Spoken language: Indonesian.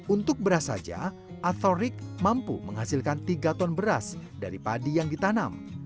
untuk beras saja atorik mampu menghasilkan tiga ton beras dari padi yang ditanam